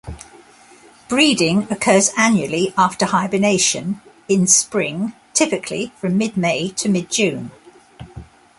Breeding occurs annually after hibernation in spring, typically from mid-May to mid-June.